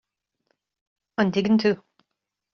an dtuigeann tú